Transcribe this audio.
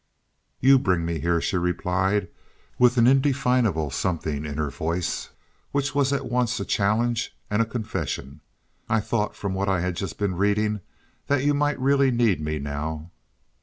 "You bring me here," she replied, with an indefinable something in her voice which was at once a challenge and a confession. "I thought from what I had just been reading that you might really need me now."